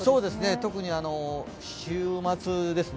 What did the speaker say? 特に週末ですよね